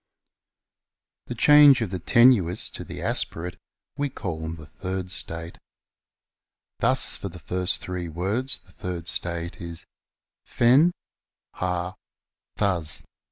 yo GRAMMAR The change'of the \tenuis to the aspirate we call the THIRD STATE. Thus, for the first three words the third state is Fen, Har, Thds.